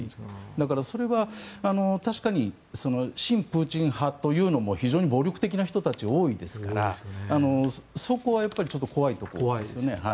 だから、それは確かに親プーチン派というのも非常に暴力的な人たちが多いですからそこはやっぱり怖いところですよね。